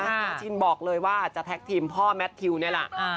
ชินบอกเลยว่าจะแท็กทีมพ่อแมททิวนี่แหละ